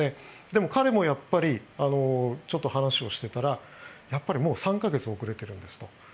でも、彼もやっぱり話をしていたらやっぱりもう３か月遅れてるんですと。